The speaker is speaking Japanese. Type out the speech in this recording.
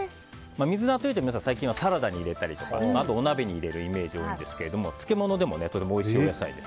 水菜というと最近はサラダに入れたりお鍋に入れるイメージが強いですが漬物でもおいしいお野菜です。